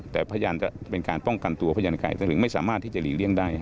แต่พยานจะเป็นการป้องกันตัวพยานไก่แต่ถึงไม่สามารถที่จะหลีกเลี่ยงได้